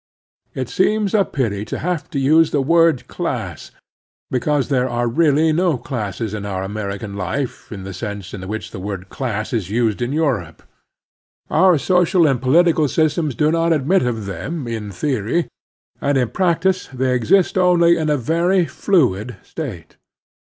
It seems a pity to have to use the word "class," because there are really no classes in our American life in the sense in which the^word "class" is used in Europe. Our social and political systems do not admit of them in theory, and in practice they exist only in a very fluid state.